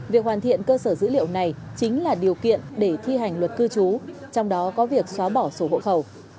việc hoàn thiện cơ sở dữ liệu này chính là điều kiện để thi hành luật cư trú trong đó có việc xóa bỏ sổ hộ khẩu